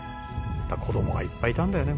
「子供がいっぱいいたんだよね